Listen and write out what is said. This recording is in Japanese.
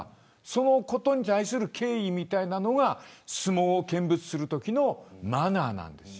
そのことに対する敬意みたいなものが相撲を見物するときのマナーなんです。